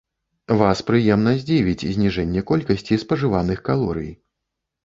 Вас прыемна здзівіць зніжэнне колькасці спажываных калорый.